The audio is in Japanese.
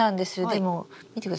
でも見てください。